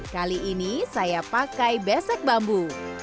kali ini saya pakai besek bambu